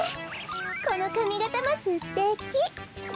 このかみがたもすてき。